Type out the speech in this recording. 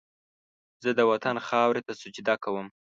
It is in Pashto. زه د وطن خاورې ته سجده کوم